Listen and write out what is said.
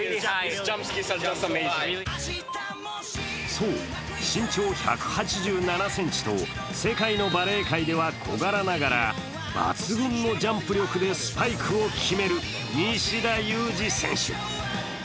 そう、身長１８７ｃｍと世界のバレー界では小柄ながら、抜群のジャンプ力でスパイクを決める西田有志選手。